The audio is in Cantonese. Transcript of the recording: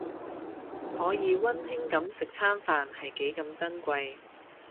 可以溫馨噉食餐飯係幾咁珍貴